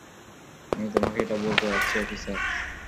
আমি তোমাকে এটা বলতে যাচ্ছি, অফিসার।